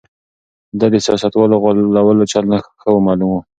ده ته د سياستوالو د غولولو چل ښه معلوم و.